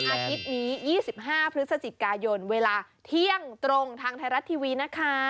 อาทิตย์นี้๒๕พฤศจิกายนเวลาเที่ยงตรงทางไทยรัฐทีวีนะคะ